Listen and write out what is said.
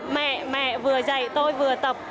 mẹ vừa dạy tôi vừa tập